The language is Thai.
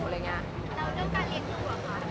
แล้วเรื่องการเลี้ยงที่หัวค่ะ